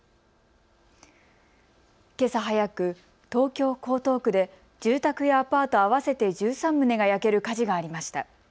けさ早く、東京江東区で住宅やアパート合わせて１３棟が焼ける火事がありました。